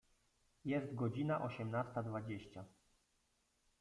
Jest godzina osiemnasta dwadzieścia.